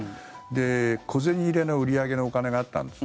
で、小銭入れの売り上げのお金があったんです。